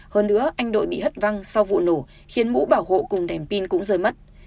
hơn nữa anh đội bị hất văng sau vụ nổ khiến mũ bảo hộ cùng đèn pin cũng rơi mất